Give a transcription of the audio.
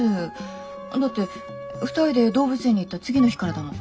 だって２人で動物園に行った次の日からだもん。